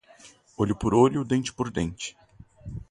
Olho por olho, dente por dente